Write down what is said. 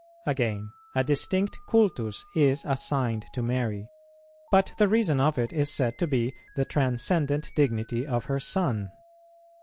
Again, a distinct cultus is assigned to Mary, but the reason of it is said to be the transcendent dignity of her Son.